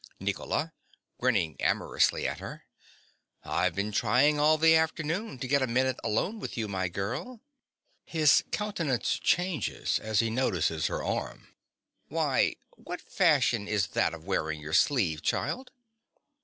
_) NICOLA. (grinning amorously at her). I've been trying all the afternoon to get a minute alone with you, my girl. (His countenance changes as he notices her arm.) Why, what fashion is that of wearing your sleeve, child?